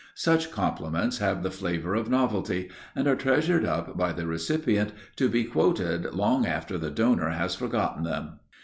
Such compliments have the flavour of novelty, and are treasured up by the recipient, to be quoted long after the donor has forgotten them.